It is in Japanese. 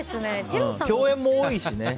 共演も多いしね。